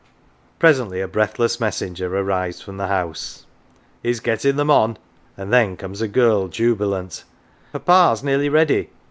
Presently a breathless messenger arrives from the house " He's getting them on !" and then comes a 253 MATES girl, jubilant "Papa's nearly ready!""